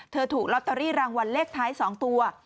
ถูกลอตเตอรี่รางวัลเลขท้าย๒ตัว